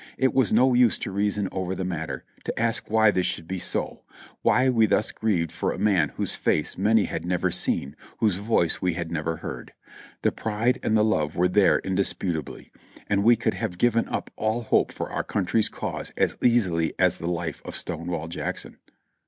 It was no use to reason over the matter, to ask why this should be so, why we thus grieved for a man whose face many had never seen, whose voice we had never heard. The pride and the love were there indisputably; and we could have given up all hope of our country's cause as easily as the life of Stonewall Jackson.